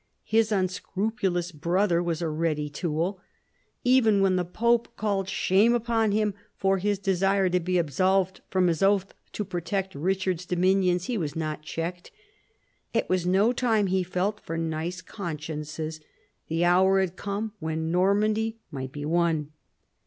His unscrupulous brother was a ready tool. Even when the pope called shame upon him for his in THE FALL OF THE ANGEVINS 55 desire to be absolved from his oath to protect Richard's dominions he was not checked. It was no time, he felt, for nice consciences. The hour had come when Nor mandy might be won.